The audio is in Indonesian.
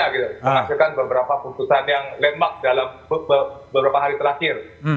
kita menghasilkan beberapa putusan yang landmark dalam beberapa hari terakhir